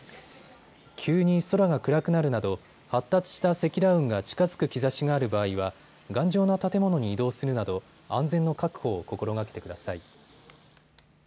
急に空が暗くなるなど発達した積乱雲が近づく兆しがある場合は頑丈な建物に移動するなど安全の確保を心がけてください。